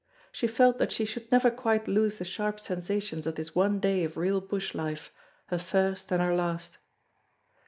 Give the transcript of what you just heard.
She felt that she should never quite lose the sharp sensations of this one day of real bush life, her first and her last.